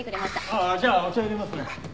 ああじゃあお茶入れますね。